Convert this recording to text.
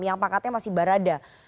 yang pangkatnya masih baradae